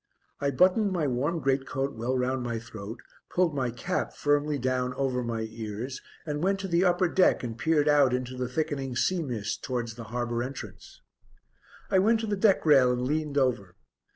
I buttoned my warm great coat well round my throat, pulled my cap firmly down over my ears and went to the upper deck and peered out into the thickening sea mist towards the harbour entrance. I went to the deck rail and leaned over.